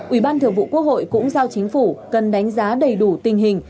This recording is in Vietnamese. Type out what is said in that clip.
ủy ban thường vụ quốc hội cũng giao chính phủ cần đánh giá đầy đủ tình hình